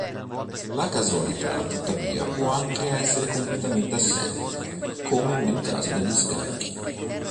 La casualità tuttavia può anche essere completamente assente, come nel caso degli scacchi.